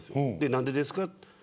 何でですかと。